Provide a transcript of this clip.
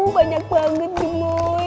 banyak banget nih boy